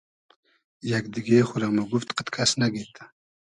یئگ دیگې خورۂ موگوفت قئد کئس نئگید